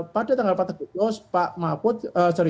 pada tanggal empat agustus pak mahfud eh sorry